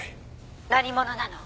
「何者なの？」